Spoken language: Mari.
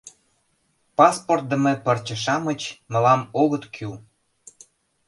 Паспортдымо пырче-шамыч мылам огыт кӱл.